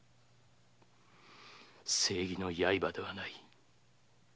正義の刃ではない。